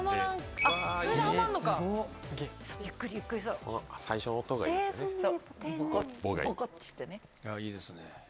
ああ、いいですね。